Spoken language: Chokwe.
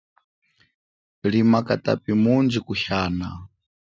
Lima katapi mundji kuhiana.